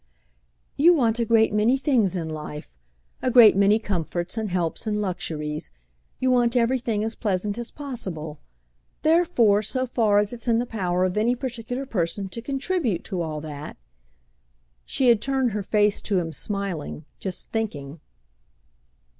"You want a great many things in life, a great many comforts and helps and luxuries—you want everything as pleasant as possible. Therefore, so far as it's in the power of any particular person to contribute to all that—" She had turned her face to him smiling, just thinking.